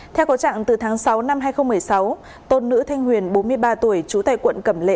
theo có trạng từ tháng sáu năm hai nghìn một mươi sáu tôn nữ thanh huyền bốn mươi ba tuổi trú tại quận cẩm lệ